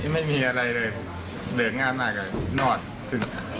ไม่มีอะไรเลยเดินงานมากก็นอนถึง